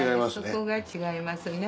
そこが違いますね。